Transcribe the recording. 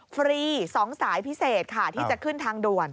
ฟรี๒สายพิเศษค่ะที่จะขึ้นทางด่วน